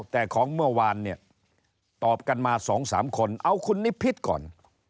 แต่ของเมื่อวานเนี่ยตอบกันมา๒๓คนเอาคุณนิพิษก่อน